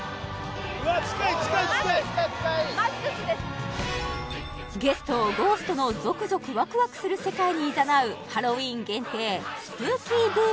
うわ近い近い近いうわ近い近い近いゲストをゴーストのゾクゾクワクワクする世界にいざなうハロウィーン限定スプーキー“Ｂｏｏ！”